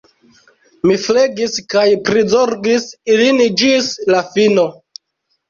Mi flegis kaj prizorgis ilin ĝis la fino.